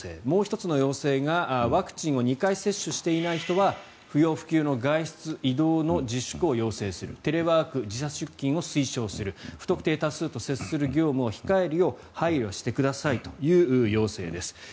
もう１つの要請が、ワクチンを２回接種していない人は不要不急の外出・移動の自粛を要請するテレワーク、時差出勤を推奨する不特定多数と接する業務を控えるよう配慮してくださいという要請です。